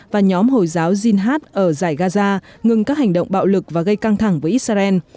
và nhóm hồi giáo jinhat ở giải gaza ngừng các hành động bạo lực và gây căng thẳng với israel